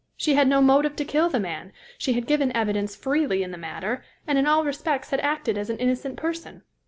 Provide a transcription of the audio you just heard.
She had no motive to kill the man; she had given evidence freely in the matter, and in all respects had acted as an innocent person.